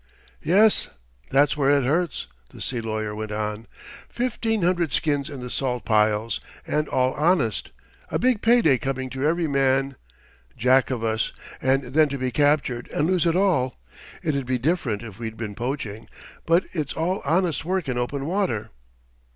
"Yes, that's where it hurts," the sea lawyer went on. "Fifteen hundred skins in the salt piles, and all honest, a big pay day coming to every man Jack of us, and then to be captured and lose it all! It'd be different if we'd been poaching, but it's all honest work in open water."